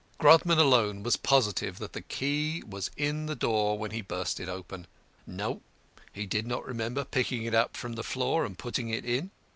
Grodman alone was positive that the key was in the door when he burst it open. No, he did not remember picking it up from the floor and putting it in.